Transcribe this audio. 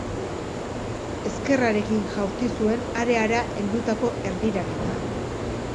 Ezkerrarekin jaurti zuen areara heldutako erdiraketa.